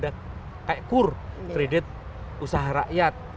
dia harus belajar kepada kur kredit usaha rakyat